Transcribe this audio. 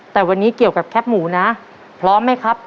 แต่วันนี้เกี่ยวกับแคปหมูนะพร้อมไหมครับ